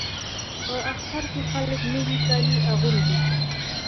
په اختر کې خلک نوي کالي اغوندي.